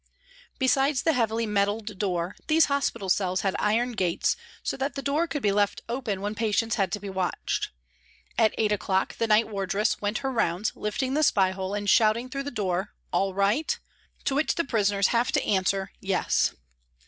Besides the heavily metalled door, these hospital cells had iron gates, so that the door could be left open when patients had to be watched. At eight o'clock the night wardress went her rounds, lifting the spy hole " A TRACK TO THE WATER'S EDGE " 139 and shouting through the door " All right ?" to which the prisoners have to answer " Yes."